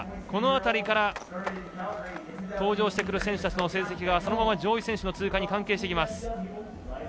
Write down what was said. この辺りから登場してくる選手たちの成績が、そのまま上位選手の通過に関係してきます。